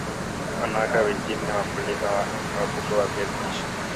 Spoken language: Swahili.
wanawake wa vijijini ni wakulima wa wakubwa wa viazi lishe